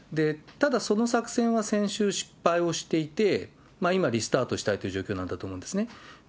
ただ、その作戦は先週失敗をしていて、今、リスタートしたという状況なんだと思うんですね。